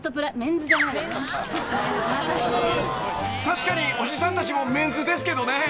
［確かにおじさんたちもメンズですけどね］